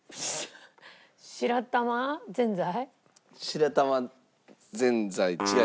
白玉ぜんざい。